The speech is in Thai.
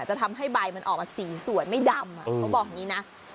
จะทำให้ใบมันออกมาสีสวยไม่ดำเขาบอกอย่างนี้นะ